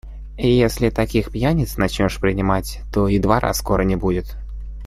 Если таких пьяниц начнешь принимать, то и двора скоро не будет.